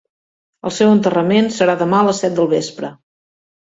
El seu enterrament serà demà a les set del vespre.